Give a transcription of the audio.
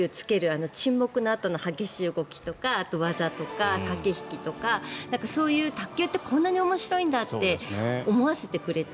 あの沈黙のあとの激しい動きとか技とか駆け引きとかそういう卓球ってこんなに面白いんだって思わせてくれた。